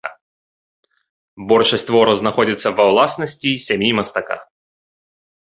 Большасць твораў знаходзіцца ва ўласнасці сям'і мастака.